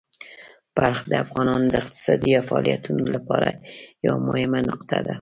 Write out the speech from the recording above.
بلخ د افغانانو د اقتصادي فعالیتونو لپاره یوه مهمه نقطه ده.